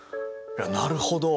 なるほど。